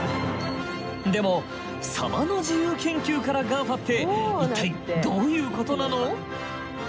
でもサバの自由研究からＧＡＦＡって一体どういうことなの？